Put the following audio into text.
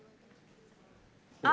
あ！